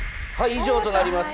以上となります。